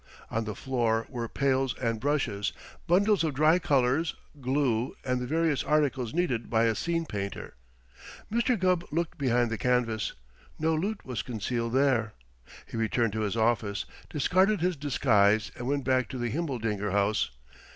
On the floor were pails and brushes, bundles of dry colors, glue, and the various articles needed by a scene painter. Mr. Gubb looked behind the canvas. No loot was concealed there. He returned to his office, discarded his disguise, and went back to the Himmeldinger house.